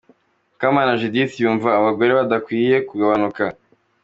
Mukamana Judith yumva abagore bagakwiye kugabanuka.